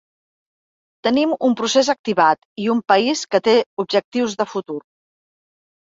Tenim un procés activat i un país que té objectius de futur.